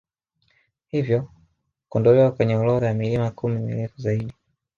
Hivyo kuondolewa kwenye orodha ya milima kumi mirefu zaidi